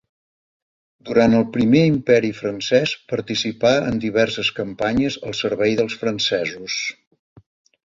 Durant el Primer Imperi Francès participà en diverses campanyes al servei dels francesos.